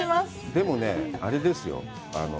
でもねあれですよ。